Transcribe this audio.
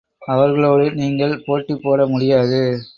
அவர்களோடு நீங்கள் போட்டி போடமுடியாது.